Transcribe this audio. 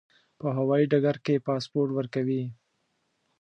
په هوایي ډګر کې پاسپورت ورکوي.